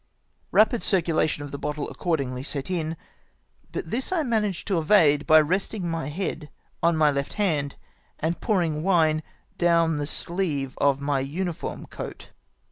Eapid circidation of the bottle accord ingly set m ; but this I managed to evade by resting my head on my left hand, and pouring the wine down the sleeve of my uniform coat.